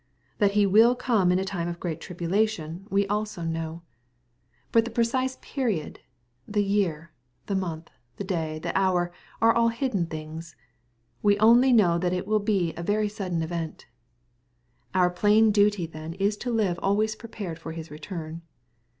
\That He will come in a time of great tribulation, we also know. MATTHEW, CHAP. XXIV. 321 But the precise period, the year, the month, the day^ the hour, are ^11 hid den things. We only know that it will be a very sudden event. Our plain duty then is to live always prepared for His return.